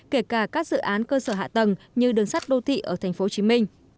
kể cả các dự án cơ sở hạ tầng như đường sắt đô thị ở tp hcm